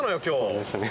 そうですね。